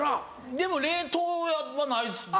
でも冷凍はないですね。